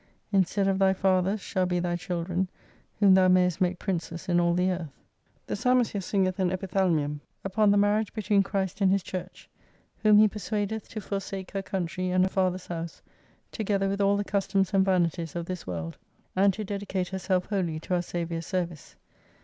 Instead of thy fathers shall be thy children, whom thou mayest make princes in all the Earth. The psalmist here singeth an Epithalamium upon the marriage between Christ and His Church : whom he persuadeth to forsake her country and her father's house together with all the customs and vanities of this World : and to dedicate herself wholly to our Saviour's Service.